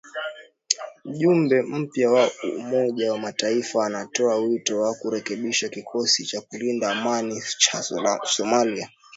Mjumbe mpya wa Umoja wa mataifa anatoa wito wa kurekebishwa kikosi cha kulinda amani cha Somalia